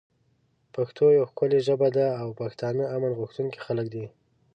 پښتو یوه ښکلی ژبه ده او پښتانه امن غوښتونکی خلک دی